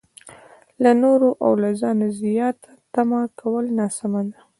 له نورو او له ځانه زياته تمه کول ناسمه ده.